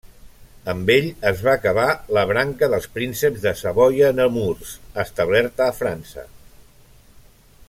Amb ell es va acabar la branca dels prínceps de Savoia-Nemours, establerta a França.